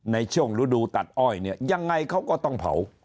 ในช่วงฤดูตัดอ้อยเนี่ยยังไงเขาก็ต้องเผา